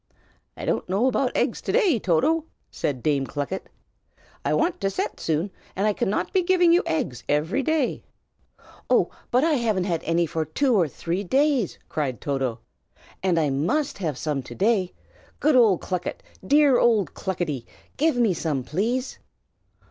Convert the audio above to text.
"I don't know about eggs, to day, Toto!" said Dame Clucket. "I want to set soon, and I cannot be giving you eggs every day." "Oh, but I haven't had any for two or three days!" cried Toto. "And I must have some to day. Good old Clucket, dear old Cluckety, give me some, please!"